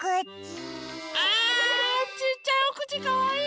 あちっちゃいおくちかわいい！